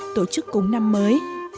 tổ chức cúng năm mới